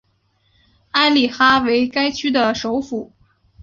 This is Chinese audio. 埃里哈为该区的首府。